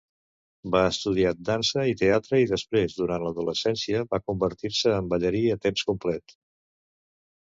Va estudiar dansa i teatre i després, durant l'adolescència va convertir-se en ballarí a temps complet.